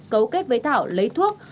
cấu kết với thảo lấy thuốc